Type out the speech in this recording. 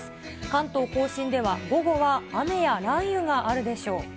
関東甲信では、午後は雨や雷雨があるでしょう。